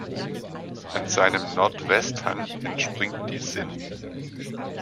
An seinem Nordwesthang entspringt die Sinn.